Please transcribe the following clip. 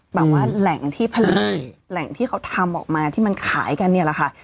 แบบว่าแหล่งที่ผลิตแหล่งที่เขาทำออกมาที่มันขายกันเนี่ยแหละค่ะ